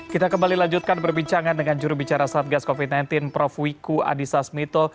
kita kembali lanjutkan perbincangan dengan jurubicara satgas covid sembilan belas prof wiku adhisa smito